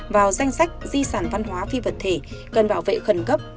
vào danh sách di sản văn hóa phi vật thể cần bảo vệ khẩn cấp